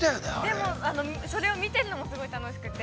でも、それを見てるのも、すごい楽しくて。